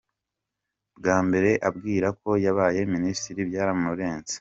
Bwa mbere abwira ko yabaye minisitiri byaramurenze.